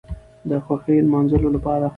د خوښۍ نماځلو لپاره